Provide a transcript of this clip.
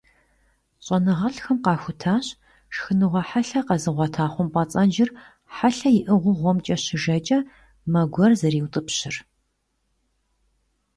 ЩӀэныгъэлӀхэм къахутащ шхыныгъуэ хьэлъэ къэзыгъуэта хъумпӀэцӀэджыр хьэлъэ иӀыгъыу гъуэмкӀэ щыжэкӀэ, мэ гуэр зэриутӀыпщыр.